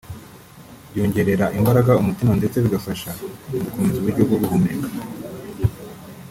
byongerera imbaraga umutima ndetse bigafasha mu gukomeza uburyo bwo guhumeka